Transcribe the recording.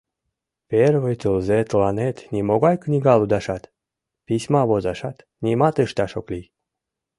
— Первый тылзе тыланет нимогай книга лудашат, письма возашат — нимат ышташ ок лий.